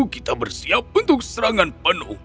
kita bersiap untuk serangan penuh